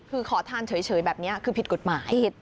คือขอทานเฉยแบบนี้คือผิดกฎหมาย